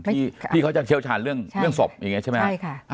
ที่ที่เขาจะเชี่ยวชาญเรื่องเรื่องศพอย่างเงี้ยใช่ไหมใช่ค่ะ